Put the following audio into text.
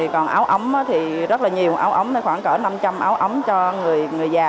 còn áo ấm thì rất là nhiều áo ấm khoảng cỡ năm trăm linh áo ấm cho người già